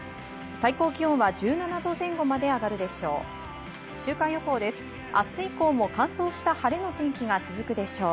最高気温は１７度前後まで上がるでしょう。